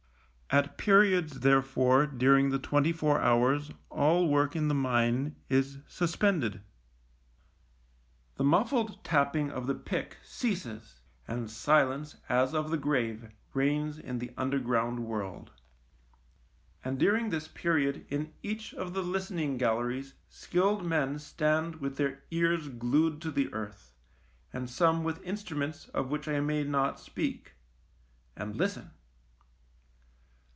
At periods, therefore, during the twenty four hours all work in the mine is suspended. The muffled tapping of the pick ceases, and silence as of the grave reigns in the under ground world. And during this period in each of the listening galleries skilled men stand with their ears glued to the earth, and some with instruments of which I may not speak, and listen.